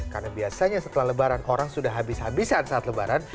karena biasanya setelah lebaran orang sudah habis habisan saat lebaran